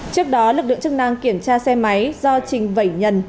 trước đó lực lượng chức năng kiểm tra xe máy do trình vẩy nhần